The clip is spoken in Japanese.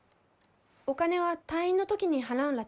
お金は退院の時に払うんらて。